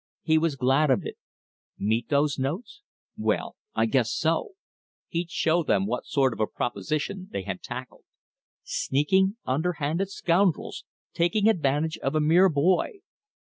He was glad of it. Meet those notes? Well I guess so! He'd show them what sort of a proposition they had tackled. Sneaking, underhanded scoundrels! taking advantage of a mere boy.